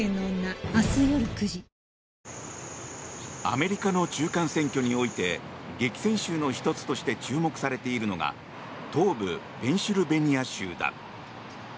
アメリカの中間選挙において激戦州の１つとして注目されているのが東部ペンシルベニア州だ。